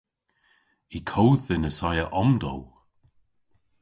Y kodh dhyn assaya omdowl!